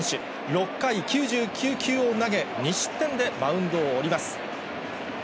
６回９９球を投げ、２失点でマウンドを降ります。